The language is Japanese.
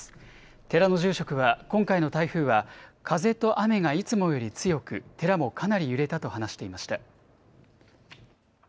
寺の住職は、今回の台風は風と雨がいつもより強く、寺もかなり揺れたと話していました。